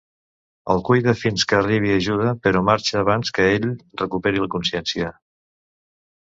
El cuida fins que arriba ajuda però marxa abans que ell recuperi la consciència.